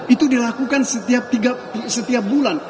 itu dilakukan setiap tiga setiap bulan